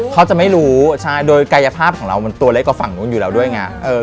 เขาจะไม่รู้ใช่โดยกายภาพของเรามันตัวเล็กกว่าฝั่งนู้นอยู่แล้วด้วยไง